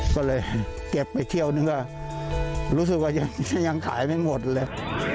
ก็เลยเก็บไปเที่ยวนึงก็รู้สึกว่ายังขายไม่หมดเลย